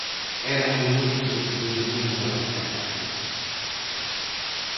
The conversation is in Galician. Eran minutos de dominio alterno.